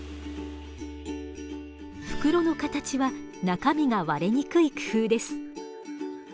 袋の形は中身が割れにくい工夫です。